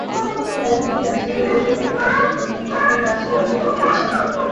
তাই তিনি রাসূলের ওযূর পানি প্রস্তুত করতেন, যখন রাসূল ওযূ করতে ইচ্ছে করতেন।